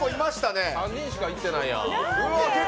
３人しか行ってないやん。